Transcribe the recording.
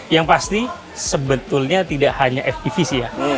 yang pasti sebetulnya tidak hanya fpv sih ya